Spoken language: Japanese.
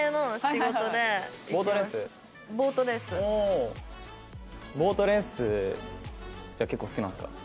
ボートレースって結構好きなんですか？